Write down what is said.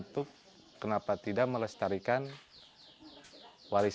working kita dengan lebih aristotelis